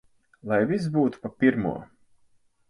Lai viss būtu pa pirmo!